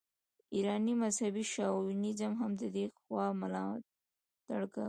ایراني مذهبي شاونیزم هم د دې خوا ملاتړ کاوه.